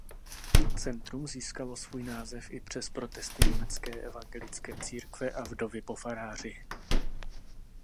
Centrum získalo svůj název i přes protesty německé evangelické církve a vdovy po faráři.